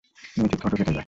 নিচের ঠোঁটও কেটে যায়।